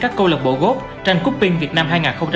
các cộng lạc bộ góp trong cúp viên việt nam